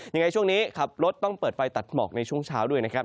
ยังไงช่วงนี้ขับรถต้องเปิดไฟตัดหมอกในช่วงเช้าด้วยนะครับ